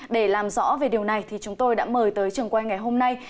để làm rõ về điều này thì chúng tôi đã mời tới trường quay ngày hôm nay